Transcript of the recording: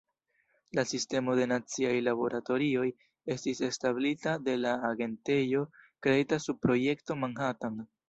La Sistemo de Naciaj Laboratorioj estis establita de la agentejo kreita sub Projekto Manhattan.